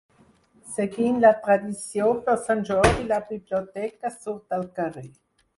Seguint la tradició, per Sant Jordi la biblioteca surt al carrer.